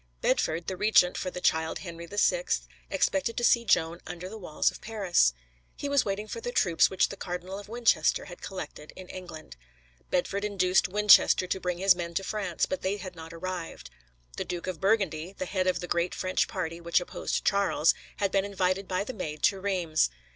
Bedford, the regent for the child Henry VI, expected to see Joan under the walls of Paris. He was waiting for the troops which the Cardinal of Winchester had collected in England. Bedford induced Winchester to bring his men to France, but they had not arrived. The Duke of Burgundy, the head of the great French party which opposed Charles, had been invited by the Maid to Reims.